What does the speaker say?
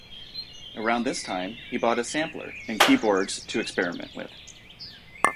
Around this time he bought a sampler and keyboards to experiment with.